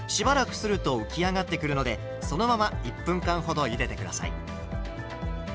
すると浮き上がってくるのでそのまま１分間ほどゆでて下さい。